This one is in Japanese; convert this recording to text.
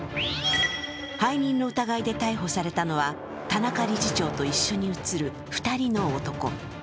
背任の疑いで逮捕されたのは田中理事長と一緒に写る２人の男。